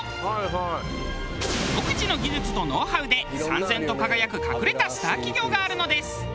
独自の技術とノウハウで燦然と輝く隠れたスター企業があるのです。